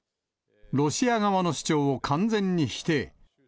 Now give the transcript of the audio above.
ロシア側の主張を完全に否定。